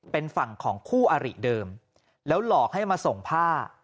เป็นฝั่งของคู่อริเดิมแล้วหลอกให้มาส่งผ้า